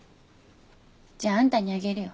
じゃああんたにあげるよ。